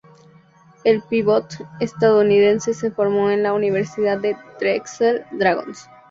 El pívot estadounidense se formó en la universidad de Drexel Dragons.